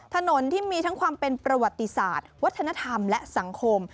ถนนที่มีทั้งความเป็นประวัติศาสตร์วัฒนธรรมและสังคม